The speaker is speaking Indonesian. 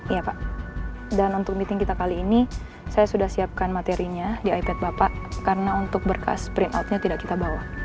iya pak dan untuk meeting kita kali ini saya sudah siapkan materinya di ipad bapak karena untuk berkas sprint outnya tidak kita bawa